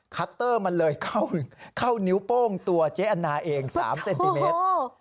คัตเตอร์มันเลยเข้านิ้วโป้งตัวเจ๊อันนาเอง๓เซนติเมตร